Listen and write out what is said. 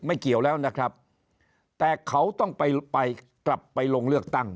เกี่ยวแล้วนะครับแต่เขาต้องไปไปกลับไปลงเลือกตั้ง